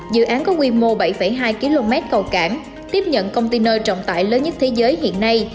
dự án có quy mô bảy hai km cầu cảng tiếp nhận công ty nơi trọng tải lớn nhất thế giới hiện nay